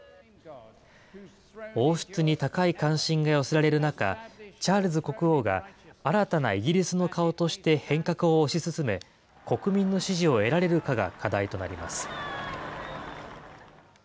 王室に高い関心が寄せられる中、チャールズ国王が新たなイギリスの顔として変革を推し進め、国民の支持を得られるかが課題となります。